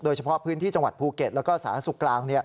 โดยเฉพาะพื้นที่จังหวัดภูเก็ตแล้วก็สาธารณสุขกลาง